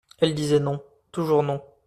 Elle disait non, toujours non.